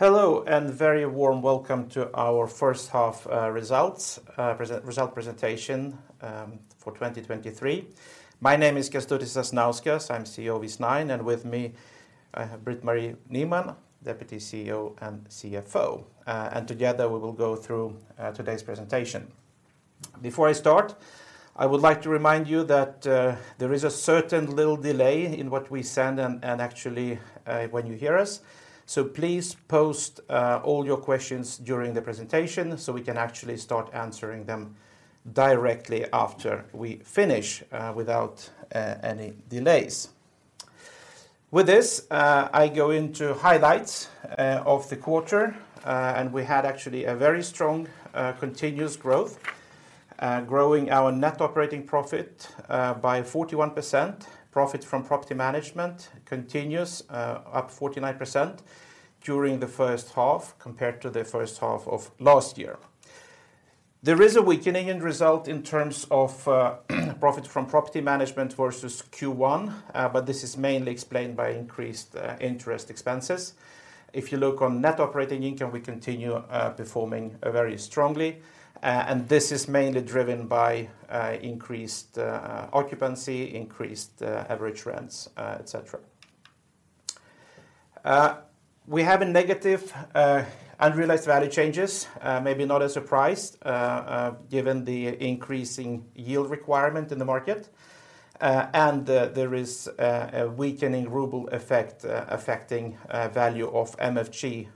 Hello, very warm welcome to our first half results result presentation for 2023. My name is Kęstutis Sasnauskas. I'm CEO of Eastnine, and with me, I have Britt-Marie Nyman, Deputy CEO and CFO. Together we will go through today's presentation. Before I start, I would like to remind you that there is a certain little delay in what we send and actually when you hear us. Please post all your questions during the presentation so we can actually start answering them directly after we finish without any delays. With this, I go into highlights of the quarter. We had actually a very strong continuous growth, growing our net operating profit by 41%. Profit from property management continues up 49% during the first half compared to the first half of last year. There is a weakening end result in terms of profit from Property Management versus Q1, but this is mainly explained by increased interest expenses. If you look on net operating income, we continue performing very strongly, and this is mainly driven by increased occupancy, increased average rents, et cetera. We have a negative unrealized value changes, maybe not a surprise given the increasing yield requirement in the market. There is a weakening ruble effect affecting value of MFG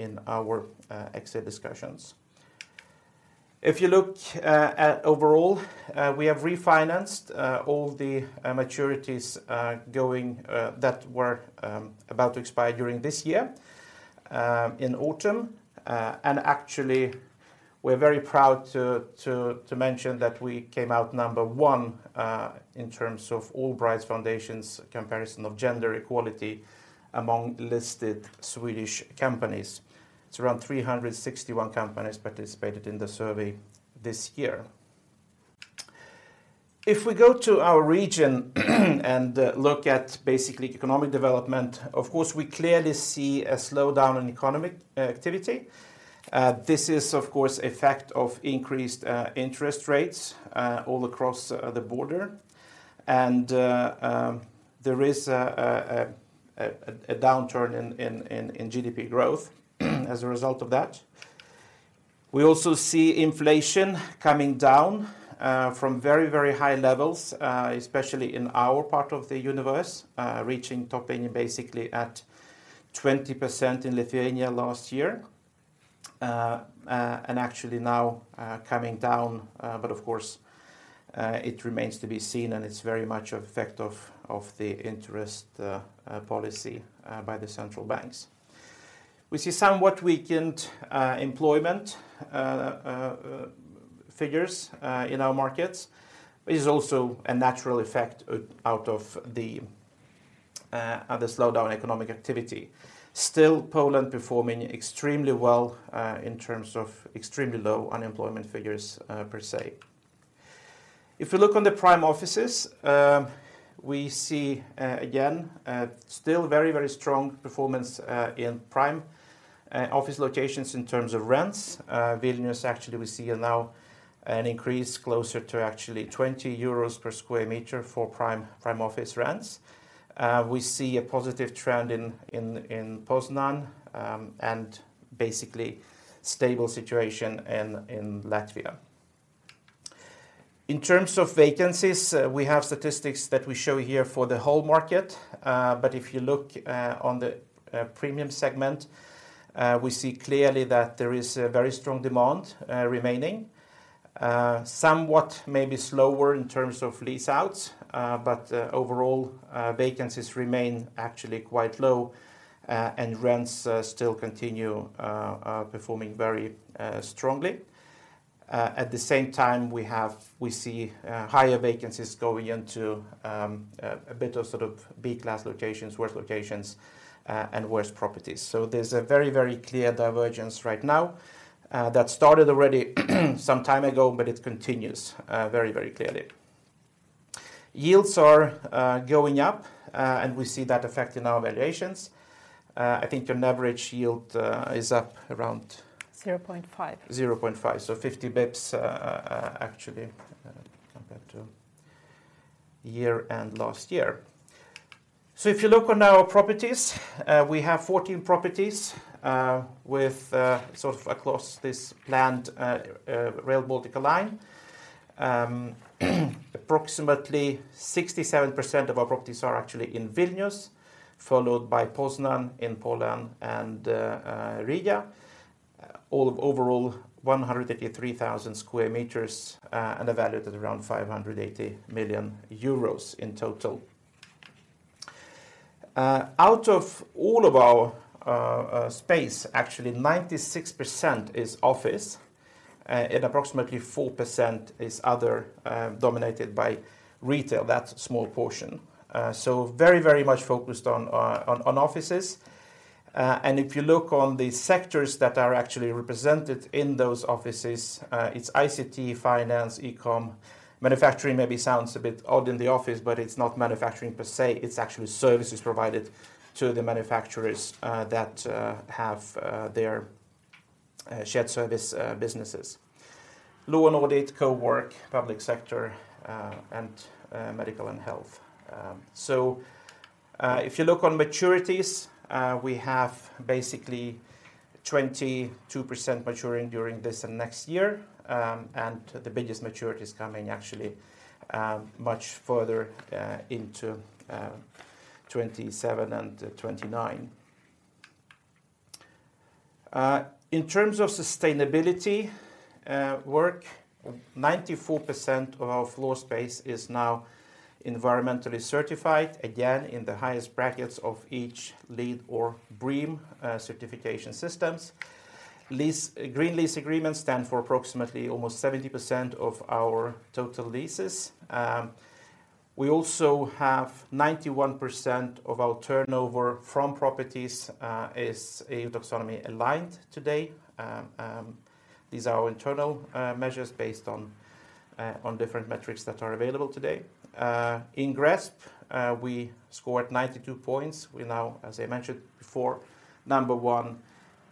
in our exit discussions. If you look at overall, we have refinanced all the maturities going... that were about to expire during this year in autumn. Actually, we're very proud to mention that we came out number one in terms of Allbright Foundation's comparison of gender equality among listed Swedish companies. It's around 361 companies participated in the survey this year. If we go to our region and look at basically economic development, of course, we clearly see a slowdown in economic activity. This is, of course, effect of increased interest rates all across the border. There is a downturn in GDP growth as a result of that. We also see inflation coming down from very, very high levels, especially in our part of the universe, reaching topping basically at 20% in Lithuania last year. Actually now coming down, but of course, it remains to be seen, and it's very much an effect of the interest policy by the central banks. We see somewhat weakened employment figures in our markets. It is also a natural effect out of the slowdown economic activity. Still, Poland performing extremely well in terms of extremely low unemployment figures per se. If you look on the Prime Offices, we see again still very, very strong performance in Prime Office locations in terms of rents. Vilnius, actually, we see now an increase closer to actually 20 euros per sq m for Prime Office rents. We see a positive trend in Poznań, and basically stable situation in Latvia. In terms of vacancies, we have statistics that we show here for the whole market, but if you look on the premium segment, we see clearly that there is a very strong demand remaining. Somewhat maybe slower in terms of lease outs, but overall, vacancies remain actually quite low, and rents still continue performing very strongly. At the same time, we see higher vacancies going into a bit of sort of B-class locations, worse locations, and worse properties. There's a very, very clear divergence right now that started already some time ago, but it continues very, very clearly. Yields are going up, and we see that effect in our valuations. I think an average yield is up around- 0.5%. -0.5%. 50 bips, actually compared to year and last year. If you look on our properties, we have 14 properties with sort of across this land Rail Baltica line. Approximately 67% of our properties are actually in Vilnius, followed by Poznań in Poland and Riga. All of overall, 183,000 sq m, and a value that around 580 million euros in total. Out of all of our space, actually 96% is office, and approximately 4% is other, dominated by retail. That's a small portion. Very, very much focused on offices. And if you look on the sectors that are actually represented in those offices, it's ICT, finance, e-com. Manufacturing maybe sounds a bit odd in the office, but it's not manufacturing per se, it's actually services provided to the manufacturers that have shared service businesses. Law and audit, co-work, public sector, and medical and health. If you look on maturities, we have basically 22% maturing during this and next year. The biggest maturity is coming actually much further into 2027 and 2029. In terms of sustainability work, 94% of our floor space is now environmentally certified, again, in the highest brackets of each LEED or BREEAM certification systems. Green lease agreements stand for approximately almost 70% of our total leases. We also have 91% of our turnover from properties is a taxonomy aligned today. These are our internal measures based on different metrics that are available today. In GRESB, we scored 92 points. We now, as I mentioned before, number one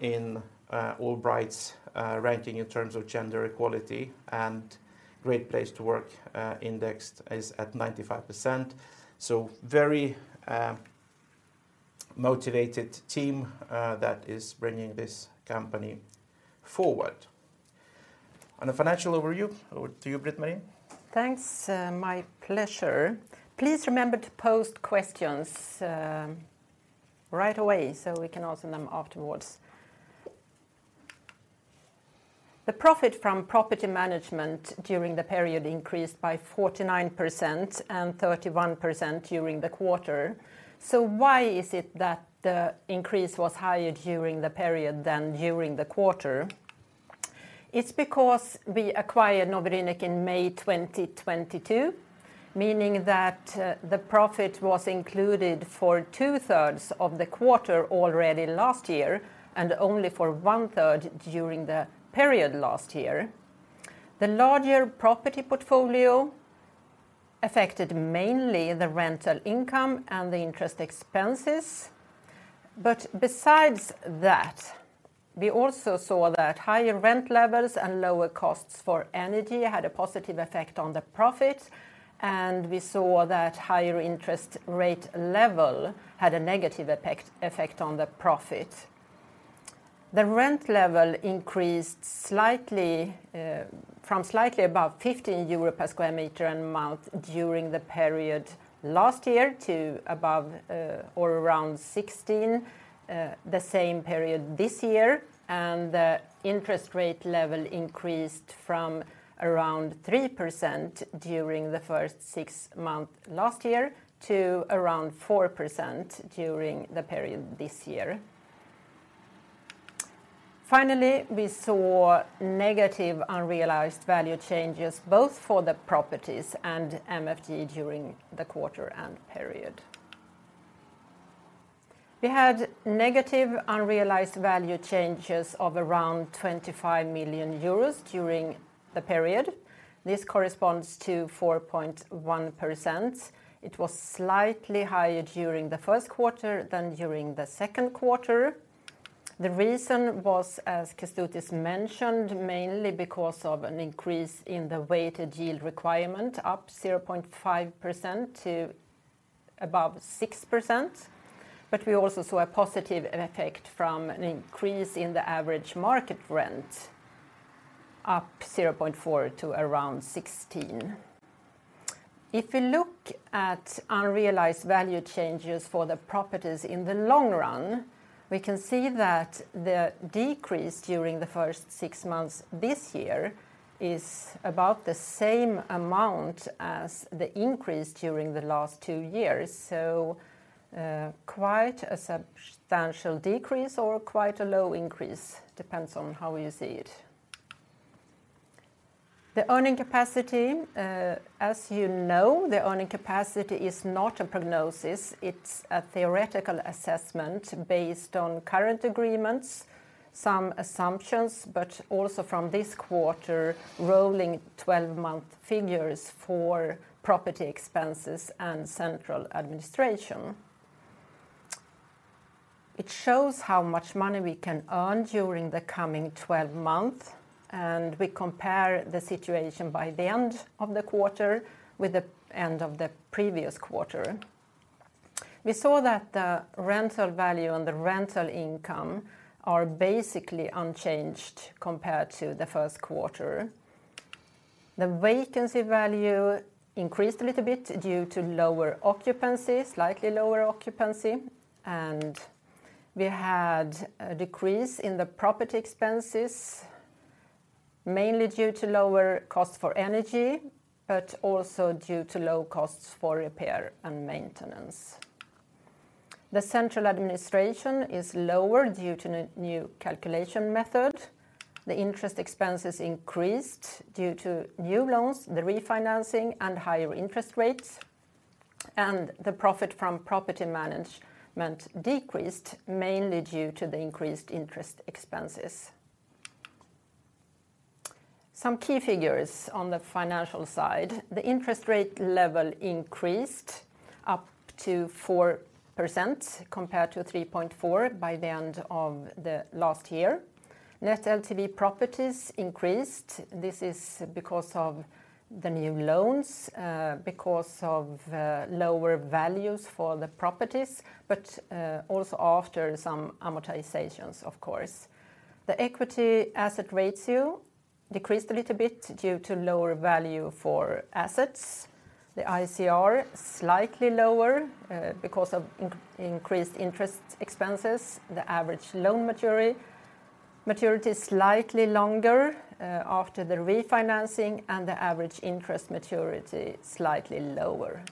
in Allbright's ranking in terms of gender equality and Great Place To Work indexed is at 95%. So very motivated team that is bringing this company forward. On the financial overview, over to you, Britt-Marie. Thanks, my pleasure. Please remember to post questions, right away, so we can answer them afterwards. The profit from property management during the period increased by 49% and 31% during the quarter. Why is it that the increase was higher during the period than during the quarter? It's because we acquired Nowy Rynek D in May 2022, meaning that the profit was included for two-thirds of the quarter already last year, and only for one-third during the period last year. The larger property portfolio affected mainly the rental income and the interest expenses. Besides that, we also saw that higher rent levels and lower costs for energy had a positive effect on the profit, and we saw that higher interest rate level had a negative effect on the profit. The rent level increased slightly, from slightly above 15 euro per sq m and month during the period last year to above, or around 16, the same period this year, and the interest rate level increased from around 3% during the first six month last year to around 4% during the period this year. Finally, we saw negative unrealized value changes, both for the properties and MFG during the quarter and period. We had negative unrealized value changes of around 25 million euros during the period. This corresponds to 4.1%. It was slightly higher during the first quarter than during the second quarter. The reason was, as Kęstutis mentioned, mainly because of an increase in the weighted yield requirement, up 0.5% to above 6%, but we also saw a positive effect from an increase in the average market rent, up 0.4 to around 16. If we look at unrealized value changes for the properties in the long run, we can see that the decrease during the six months this year is about the same amount as the increase during the last two years. Quite a substantial decrease or quite a low increase, depends on how you see it. The earning capacity, as you know, the earning capacity is not a prognosis. It's a theoretical assessment based on current agreements, some assumptions, but also from this quarter, rolling 12-month figures for property expenses and central administration. It shows how much money we can earn during the coming 12 months. We compare the situation by the end of the quarter with the end of the previous quarter. We saw that the rental value and the rental income are basically unchanged compared to the first quarter. The vacancy value increased a little bit due to lower occupancy, slightly lower occupancy. We had a decrease in the property expenses, mainly due to lower costs for energy, but also due to low costs for repair and maintenance. The central administration is lower due to the new calculation method. The interest expenses increased due to new loans, the refinancing and higher interest rates. The profit from property management decreased, mainly due to the increased interest expenses. Some key figures on the financial side, the interest rate level increased up to 4% compared to 3.4% by the end of the last year. Net LTV properties increased. This is because of the new loans, because of lower values for the properties, also after some amortizations, of course. The equity asset ratio decreased a little bit due to lower value for assets. The ICR, slightly lower, because of increased interest expenses. The average loan maturity is slightly longer after the refinancing. The average interest maturity, slightly lower.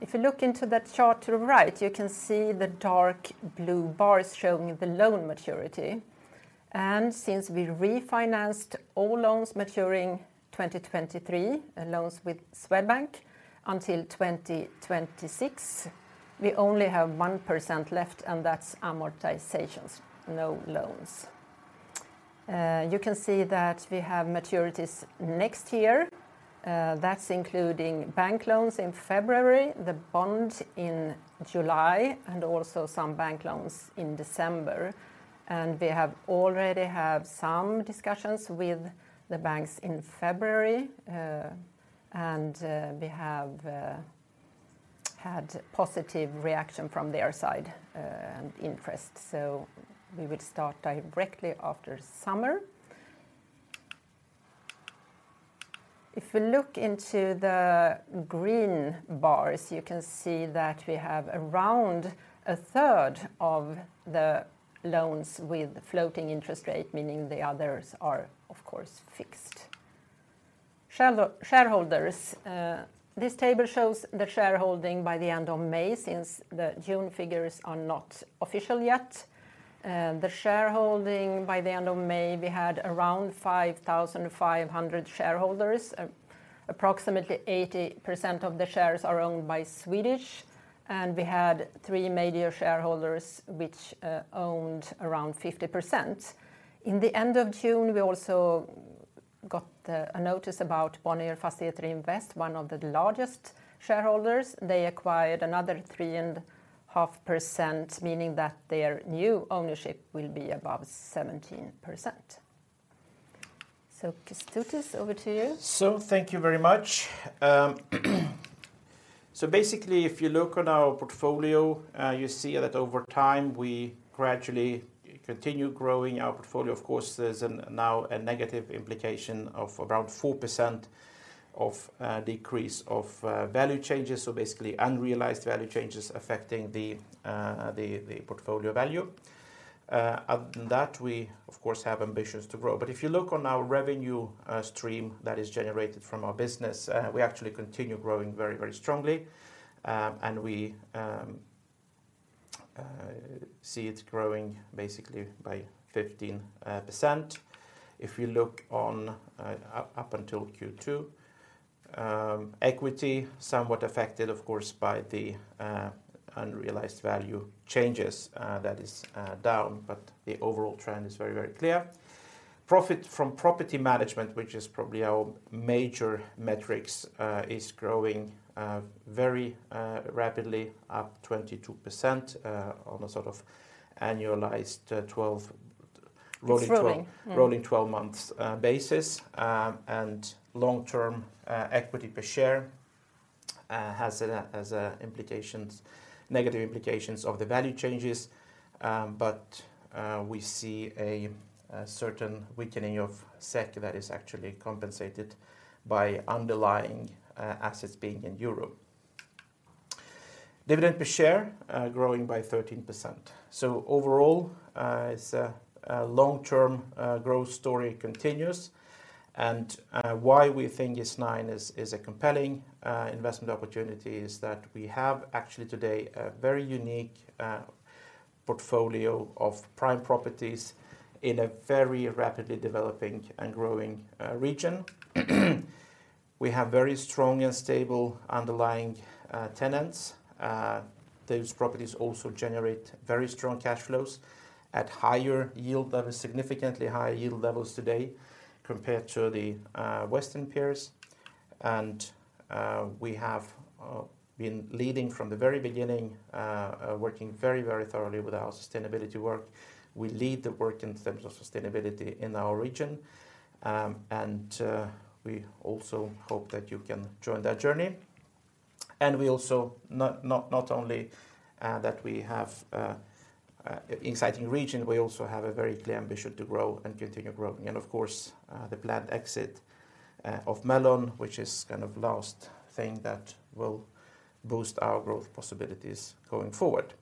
If you look into that chart to the right, you can see the dark blue bar is showing the loan maturity. Since we refinanced all loans maturing 2023, and loans with Swedbank until 2026, we only have 1% left, and that's amortizations, no loans. You can see that we have maturities next year, that's including bank loans in February, the bond in July, and also some bank loans in December. We have already have some discussions with the banks in February, and we have had positive reaction from their side, and interest. We will start directly after summer. If you look into the green bars, you can see that we have around a third of the loans with floating interest rate, meaning the others are of course, fixed. Shareholders, this table shows the shareholding by the end of May, since the June figures are not official yet. The shareholding by the end of May, we had around 5,500 shareholders. Approximately 80% of the shares are owned by Swedish, and we had three major shareholders, which owned around 50%. In the end of June, we also got a notice about Bonnier Fastigheter Invest, one of the largest shareholders. They acquired another 3.5%, meaning that their new ownership will be above 17%. Kęstutis, over to you. Thank you very much. Basically, if you look on our portfolio, you see that over time, we gradually continue growing our portfolio. Of course, there's now a negative implication of around 4% of decrease of value changes, so basically unrealized value changes affecting the portfolio value. Other than that, we of course, have ambitions to grow. If you look on our revenue stream that is generated from our business, we actually continue growing very, very strongly, and we see it growing basically by 15%. If you look on up until Q2, equity, somewhat affected, of course, by the unrealized value changes, that is down, but the overall trend is very, very clear. Profit from Property Management, which is probably our major metrics, is growing very rapidly, up 22%, on a sort of annualized. It's rolling. Rolling 12 months basis. Long-term equity per share has negative implications of the value changes. We see a certain weakening of SEK that is actually compensated by underlying assets being in Europe. Dividend per share growing by 13%. Overall, it's a long-term growth story continues. Why we think Eastnine is a compelling investment opportunity is that we have actually today a very unique portfolio of prime properties in a very rapidly developing and growing region. We have very strong and stable underlying tenants. Those properties also generate very strong cash flows at higher yield levels, significantly higher yield levels today compared to the Western peers. We have been leading from the very beginning, working very, very thoroughly with our sustainability work. We lead the work in terms of sustainability in our region, we also hope that you can join that journey. We also not only that we have an exciting region, we also have a very clear ambition to grow and continue growing. Of course, the planned exit of Melon, which is kind of last thing that will boost our growth possibilities going forward.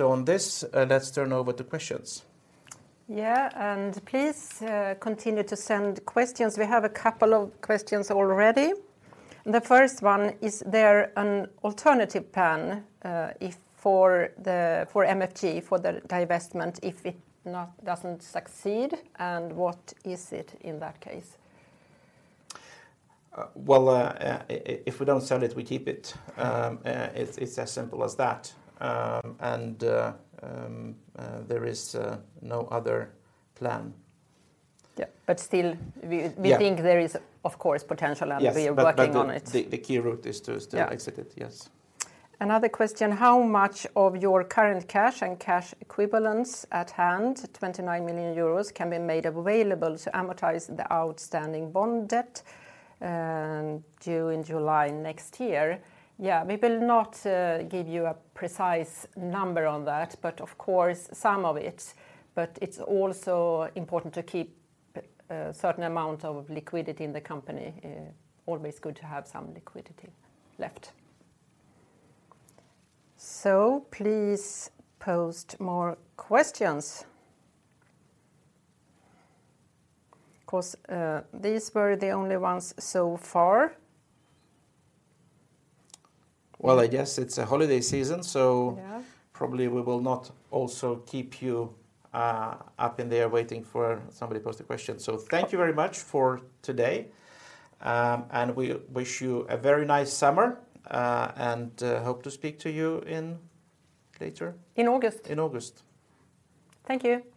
On this, let's turn over to questions. Yeah, please continue to send questions. We have a couple of questions already. The first one, is there an alternative plan if for the MFG, for the divestment, if it doesn't succeed, and what is it in that case? Well, if we don't sell it, we keep it. It's as simple as that. There is no other plan. Yeah. Yeah we think there is, of course, potential. Yes We are working on it. The key route is to still exit it. Yeah. Yes. Another question, how much of your current cash and cash equivalents at hand, 29 million euros, can be made available to amortize the outstanding bond debt, due in July next year? We will not give you a precise number on that, but of course, some of it. It's also important to keep a certain amount of liquidity in the company. Always good to have some liquidity left. Please post more questions. 'Cause these were the only ones so far. Well, I guess it's a holiday season, so- Yeah... probably we will not also keep you up in there waiting for somebody to post a question. Thank you very much for today. We wish you a very nice summer, and hope to speak to you in later? In August. In August. Thank you.